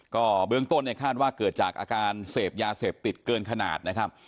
ก็เบื้องต้นเนี่ยคาดว่าเกิดจากอาการเสพยาเสพติดเกินขนาดนะครับ